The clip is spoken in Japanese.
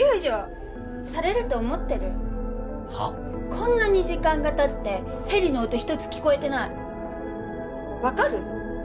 こんなに時間がたってヘリの音ひとつ聞こえてない分かる？